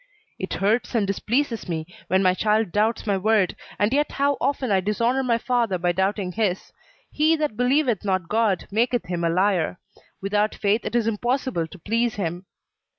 "It hurts and displeases me when my child doubts my word, and yet how often I dishonor my Father by doubting his. 'He that believeth not God, maketh him a liar.' 'Without faith it is impossible to please him.'"